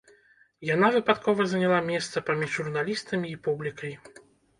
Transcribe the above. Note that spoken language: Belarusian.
Яна выпадкова заняла месца паміж журналістамі і публікай.